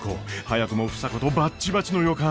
早くも房子とバッチバチの予感。